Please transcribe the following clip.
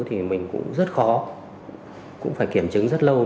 thì mình cũng rất khó